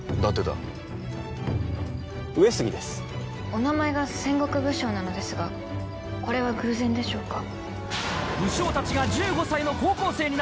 お名前が戦国武将なのですがこれは偶然でしょうか？